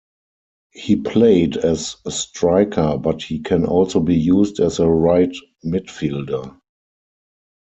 He played as striker, but he can also be used as a right midfielder.